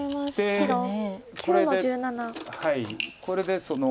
これで。